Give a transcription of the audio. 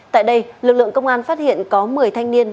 tại đây lực lượng công an phát hiện có một mươi thanh niên